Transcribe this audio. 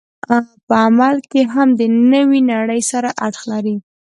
په عمل کې هم د نوې نړۍ سره اړخ لري.